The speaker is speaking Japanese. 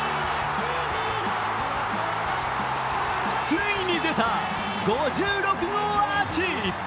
ついに出た、５６号アーチ。